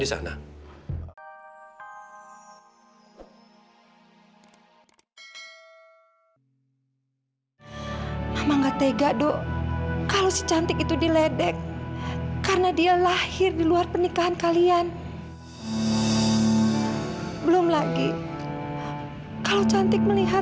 sampai jumpa di video selanjutnya